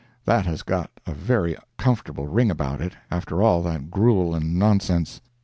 That has got a very comfortable ring about it, after all that gruel and nonsense.